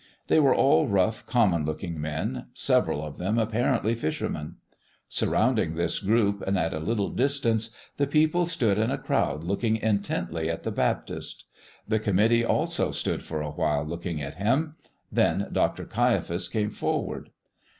They were all rough, common looking men, several of them apparently fishermen. Surrounding this group, and at a little distance, the people stood in a crowd looking intently at the Baptist. The committee also stood for a while looking at him; then Dr. Caiaphas came forward.